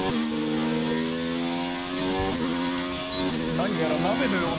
「何やら鍋のような」。